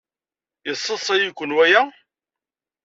Yesseḍsay-iken waya?